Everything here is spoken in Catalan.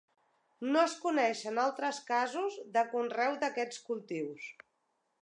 No es coneixen altres casos de conreu d'aquests cultius.